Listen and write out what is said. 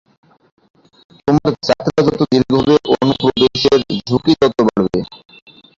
তোমার যাত্রা যত দীর্ঘ হবে, অনুপ্রবেশের ঝুঁকি তত বাড়বে।